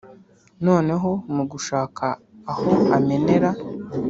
, noneho mu gushaka aho amenera